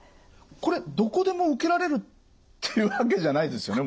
これどこでも受けられるっていうわけじゃないですよね？